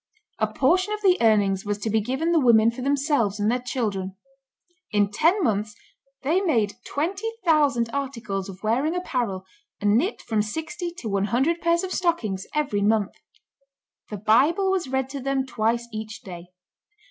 A portion of the earnings was to be given the women for themselves and their children. In ten months they made twenty thousand articles of wearing apparel, and knit from sixty to one hundred pairs of stockings every month. The Bible was read to them twice each day.